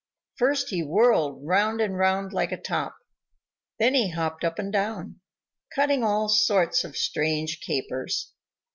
First he whirled 'round and 'round like a top, then he hopped up and down, cutting all sorts of strange capers.